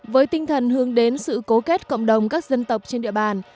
với tinh thần hướng đến sự cố kết cộng đồng các dân tộc trên địa bàn